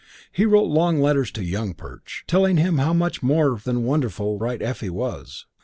He wrote long letters to Young Perch, telling him how much more than wonderful Bright Effie was.